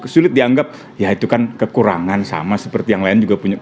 sulit dianggap ya itu kan kekurangan sama seperti yang lain juga punya